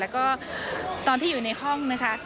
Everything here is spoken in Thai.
แล้วก็ตอนที่อยู่ในห้องนะคะ